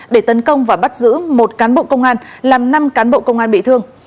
để tấn công và bắt giữ một cán bộ công an làm năm cán bộ công an bị thương